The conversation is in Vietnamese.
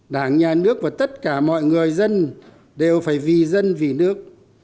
đảng nhà nước và tất cả mọi người dân đều phải vì dân vì nước